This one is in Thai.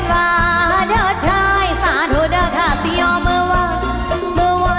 จ้าตอนย้อนจ้าตอนย้อนจ้าตอนย้อนตอนย้อนตอนย้อน